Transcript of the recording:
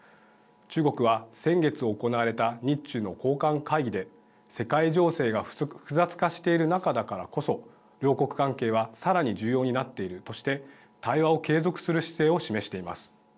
中国は先月行われた日中の高官会議で世界情勢が複雑化している中だからこそ両国関係はさらに重要になっているとして対話を継続する姿勢を示しています。